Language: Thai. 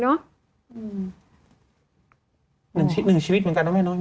หนึ่งชีวิตเหมือนกันนะแม่เนาะ